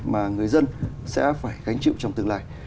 mà người dân sẽ phải gánh chịu trong tương lai